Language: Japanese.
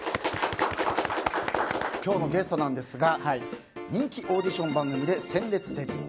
今日のゲストなんですが人気オーディション番組で鮮烈デビュー。